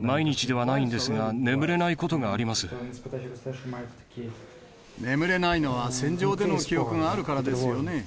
毎日ではないんですが、眠れないのは、戦場での記憶があるからですよね。